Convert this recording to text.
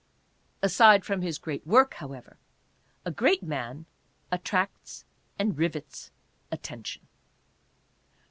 Aside from his great work, however, a great man attracts and rivets attention.